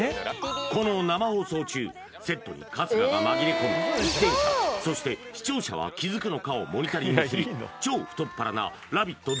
この生放送中セットに春日が紛れ込み出演者そして視聴者は気づくのかをモニタリングする超太っ腹な「ラヴィット！」